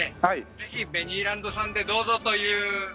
ぜひベニーランドさんでどうぞという提案でした」